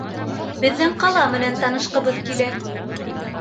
Беҙҙең ҡала менән танышҡыбыҙ килә.